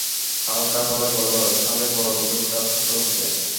হালকা গলায় বলল, ছাদে বড় ধুপধাপ শব্দ হচ্ছে?